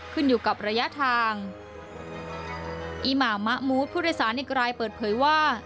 ขึ้นอยู่กับระยะทางอีหมามะมูธผู้โดยสารอีกรายเปิดเผยว่า